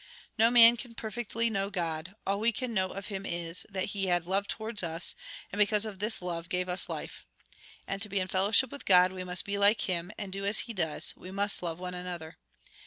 No man can perfectly know God. All we can know of Him is, that He had love towards us, and because of this love gave us life. And to be in fellowship with God, we must be like Him, and do as He dues; we must love one another.